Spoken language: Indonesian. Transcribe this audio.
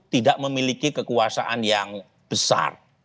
tidak memiliki kekuasaan yang besar